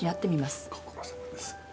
ご苦労さまです。